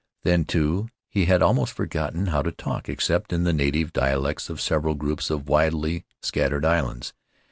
Then, too, he had almost forgotten how to talk except in the native dialects of several groups of widely scattered islands.